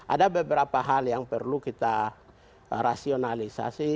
ada beberapa hal yang perlu kita rasionalisasi